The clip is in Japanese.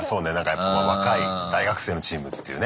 やっぱ若い大学生のチームっていうね。